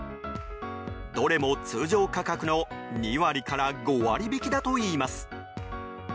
どれも通常価格の２割から５割引きだといいます。